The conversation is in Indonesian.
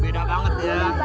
beda banget ya